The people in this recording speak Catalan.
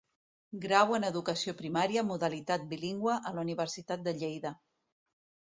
Grau en Educació Primària, modalitat bilingüe, a la Universitat de Lleida.